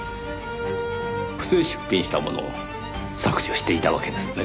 不正出品したものを削除していたわけですね。